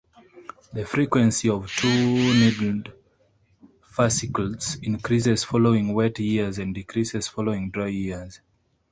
The frequency of two-needled fascicles increases following wet years and decreases following dry years.